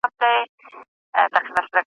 که زده کوونکي تمرین وکړي، کمزوري نه پاته کېږي.